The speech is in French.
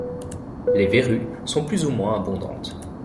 Les verrues sont plus ou moins abondantes.